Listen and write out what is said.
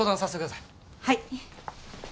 はい。